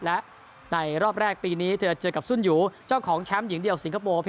และในรอบแรกปีนี้จะเจอกับซุ่นหยูเจ้าของแชมป์หญิงเดียวสิงคโปร์